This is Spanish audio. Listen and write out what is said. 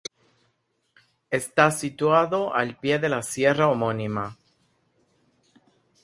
Está situado al pie de la sierra homónima.